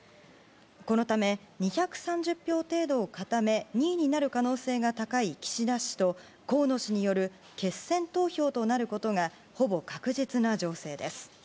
このため、２３０票程度を固め２位になる可能性が高い岸田氏と河野氏による決選投票となることがほぼ確実な情勢です。